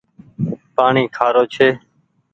پآڻيٚ کآرو ڇي۔